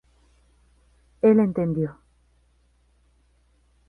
Él entendió.